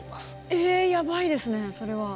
えやばいですねそれは。